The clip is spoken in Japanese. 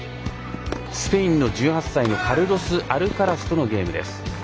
スペインの１８歳カルロス・アルカラスとのゲーム。